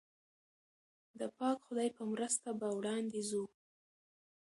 د پاک خدای په مرسته به وړاندې ځو.